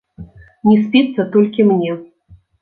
Не спіцца толькі мне.